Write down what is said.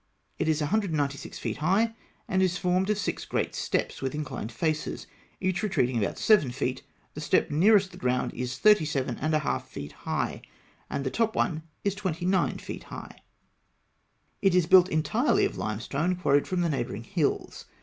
It is 196 feet high, and is formed of six great steps with inclined faces, each retreating about seven feet; the step nearest the ground is thirty seven and a half feet high, and the top one is twenty nine feet high (fig. 137). It is built entirely of limestone, quarried from the neighbouring hills.